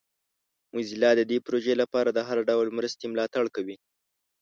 موزیلا د دې پروژې لپاره د هر ډول مرستې ملاتړ کوي.